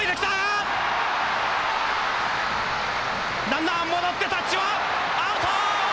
ランナー戻ってタッチはアウト！